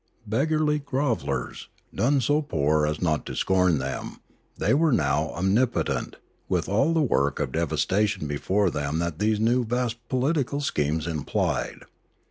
Beggarly grovellers, none so poor as not to scorn them, they were now omnipotent, with all the work of devastation before them that these new vast political schemes implied.